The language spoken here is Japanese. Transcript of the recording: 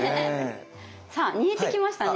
さあ煮えてきましたね。